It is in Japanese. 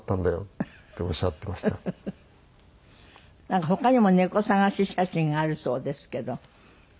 なんか他にも猫探し写真があるそうですけど。